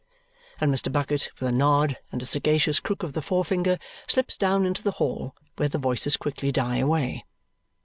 and Mr. Bucket, with a nod and a sagacious crook of the forefinger, slips down into the hall, where the voices quickly die away.